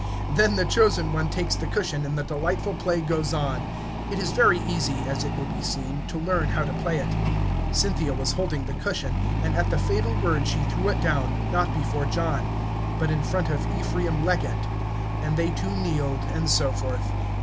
Then the chosen one takes the cushion and the delightful play goes on. It is very easy, as it will be seen, to learn how to play it. Cynthia was holding the cushion, and at the fatal word she threw it down, not before John, but in front of Ephraim Leggett. And they two kneeled, and so forth.